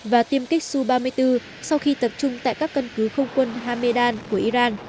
và tiêm kích su ba mươi bốn sau khi tập trung tại các căn cứ không quân hamedan của iran